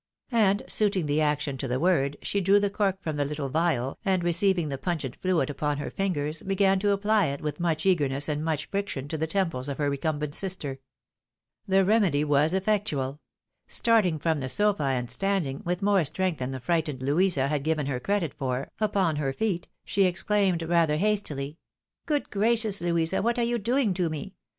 " And suiting the action to the word, she drew the cork from the little phial, and receiving the pungent fluid upon her fingers began to apply it with much eagerness and much friction to the temples of her recumbent sister. The remedy was effectual. Starting from the sofa, and standing, with more strength than the frightened Louisa had given her credit for, upon her feet, she exclaimed rather hastOy —" Good gracious, Louisa ; what are you doing to me